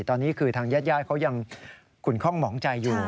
ตอนนี้คือทางญาติญาติเขายังขุนคล่องหมองใจอยู่